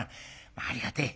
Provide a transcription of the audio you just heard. ありがてえ。